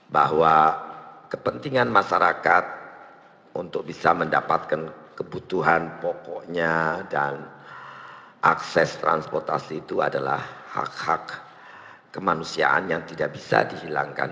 bahwa kepentingan masyarakat untuk bisa mendapatkan kebutuhan pokoknya dan akses transportasi itu adalah hak hak kemanusiaan yang tidak bisa dihilangkan